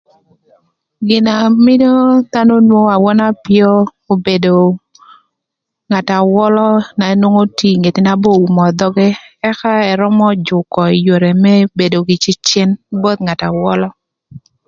Gin na mïö dhanö nwongo awöna öpïö obedo ngat na wölö na nwongo tye ï ngeti na ba oumo dhoge ëka ërömö jükö ï yodhi më bedo kï cecen both ngat na wölö.